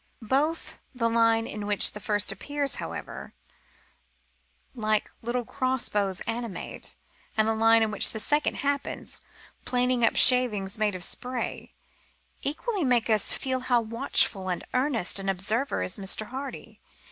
Both the line in which the first appears, however Like little crossbows animate, and the line in which the second happens Planing up shavings made of spray, equally make us feel how watchful and earnest an observer is Mr. Hardy.